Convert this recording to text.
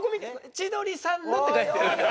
「千鳥さんの」って書いてあるから。